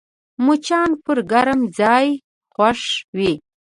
مچان پر ګرم ځای خوښ وي